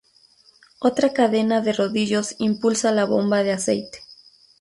Otra cadena de rodillos impulsa la bomba de aceite.